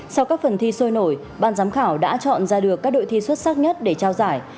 sau các phần thi sôi nổi ban giám khảo đã chọn ra được các đội thi xuất sắc nhất để trao giải